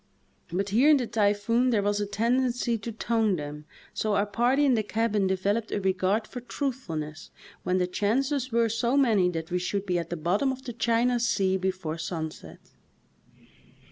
But here in the typhoon there was a tendency to "tone" them, so our party in the cabin developed a regard for truthfulness when the chances were so many that we should be at the bottom of the China sea before sunset.